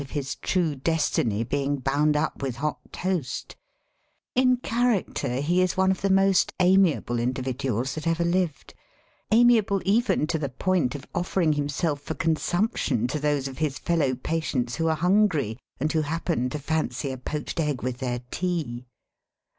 of his true des tiny being bound up with hot toast ; in character he is one of the most amiable individuals that ever lived, amiable even to the point of offering him self for consumption to those of his fellow patients who are hungry, and who happen to fancy a poached egg with their tea.